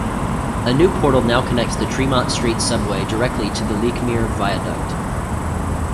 A new portal now connects the Tremont Street Subway directly to the Lechmere Viaduct.